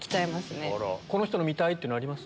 この人の見たい！ってあります？